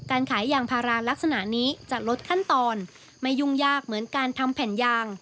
การขายยางพาราลักษณะนี้จะลดขั้นตอนไม่ยุ่งยากเหมือนการทำแผ่นยาง